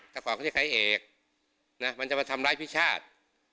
แต่ก่อนเขาเรียกใครเอกนะมันจะมาทำร้ายพิชาติ